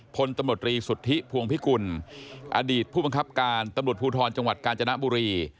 พลตำรวจรีสุทธิพวงพิกุลอดีตผู้บังคับการตำรวจภูทรจังหวัดกาญจนบุรี